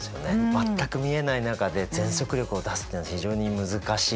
全く見えない中で全速力を出すっていうのは非常に難しい。